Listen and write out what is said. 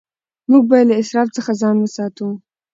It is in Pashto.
موږ باید له اسراف څخه ځان وساتو.